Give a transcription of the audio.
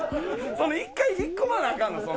一回引っ込まなアカンの？